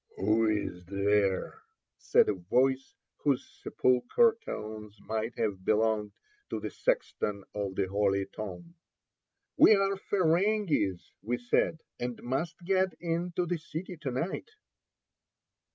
"Who's there?" said a voice, whose sepulchral tones might have belonged to the sexton of the Holy Tomb. "We are Ferenghis" we said, "and must get into the city to night."